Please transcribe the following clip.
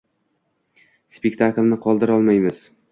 Spektaklni qoldirolmaymiz.